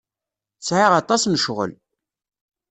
Sɛiɣ aṭas n ccɣel.